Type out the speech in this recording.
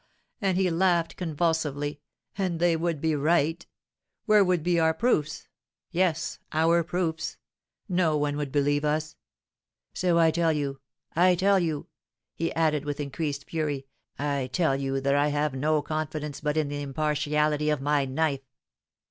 and he laughed convulsively, "and they would be right. Where would be our proofs? yes, our proofs? No one would believe us. So, I tell you I tell you," he added, with increased fury, "I tell you that I have no confidence but in the impartiality of my knife."